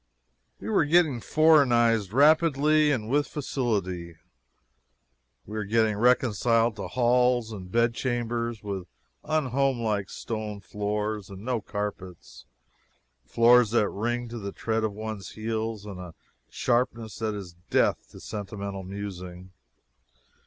We are getting foreignized rapidly and with facility. We are getting reconciled to halls and bedchambers with unhomelike stone floors and no carpets floors that ring to the tread of one's heels with a sharpness that is death to sentimental musing.